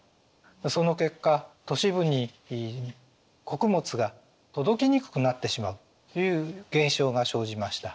その結果都市部に穀物が届きにくくなってしまうという現象が生じました。